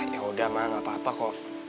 yaudah ma gak apa apa kok